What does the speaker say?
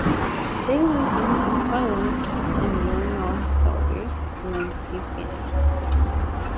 They listened in silence, and were not sorry when he finished.